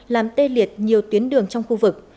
làm tê liệt nhiều tuyến đường trong khu vực